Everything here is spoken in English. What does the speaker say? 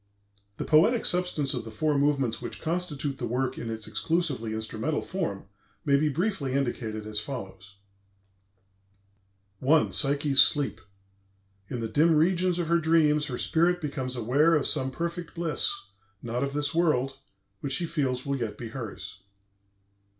The poetic substance of the four movements which constitute the work in its exclusively instrumental form may be briefly indicated as follows: I. PSYCHE'S SLEEP "In the dim regions of her dreams, her spirit becomes aware of some perfect bliss, not of this world, which she feels will yet be hers."